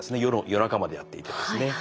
夜中までやっていてですね。